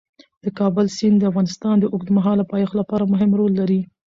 د کابل سیند د افغانستان د اوږدمهاله پایښت لپاره مهم رول لري.